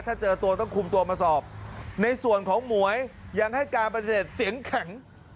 ถ้าเจอตัวต้องคุมตัวมาสอบในส่วนของหมวยยังให้การปฏิเสธเสียงแข็ง